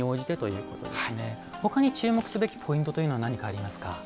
ほかに注目すべきポイントというのは何かありますか。